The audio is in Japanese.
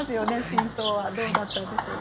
真相はどうだったんでしょうか？